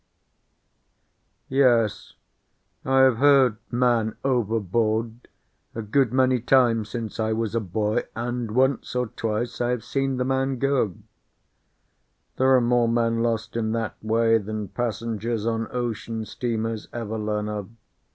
Yes I have heard "Man overboard!" a good many times since I was a boy, and once or twice I have seen the man go. There are more men lost in that way than passengers on ocean steamers ever learn of.